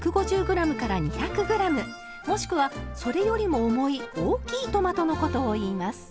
もしくはそれよりも重い大きいトマトのことをいいます。